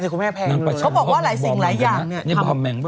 เขาบอกว่าหลายสิ่งหลายยางเนี้ย